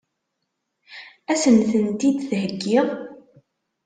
Ad sen-tent-id-theggiḍ?